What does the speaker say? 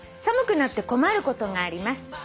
「寒くなって困ることがあります」